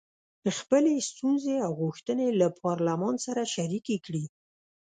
خپلې ستونزې او غوښتنې له پارلمان سره شریکې کړي.